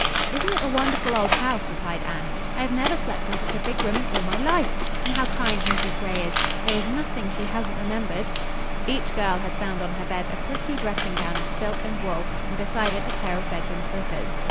"Isn't it a wonderful old house?" replied Anne. "I never slept in such a big room in all my life. And how kind Mrs. Gray is! There is nothing she hasn't remembered." Each girl had found on her bed a pretty dressing gown of silk and wool and beside it a pair of bedroom slippers.